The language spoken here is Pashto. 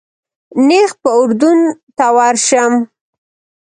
نیغ به اردن ته ورشم.